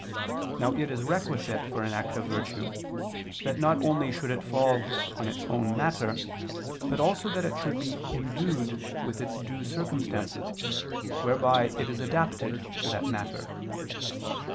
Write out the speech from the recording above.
Now it is requisite for an act of virtue that not only should it fall on its own matter, but also that it should be endued with its due circumstances, whereby it is adapted to that matter.